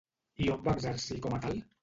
I on va exercir com a tal?